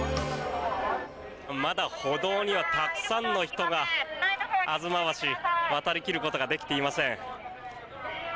まだ歩道にはたくさんの人が吾妻橋、渡り切ることができていません。